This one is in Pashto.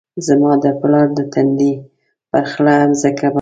زما د پلار د تندي ، پر خړه مځکه باندي